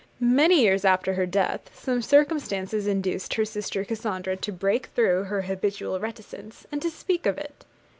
Many years after her death, some circumstances induced her sister Cassandra to break through her habitual reticence, and to speak of it.